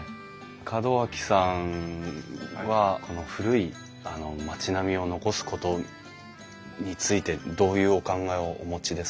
門脇さんはこの古い町並みを残すことについてどういうお考えをお持ちですか？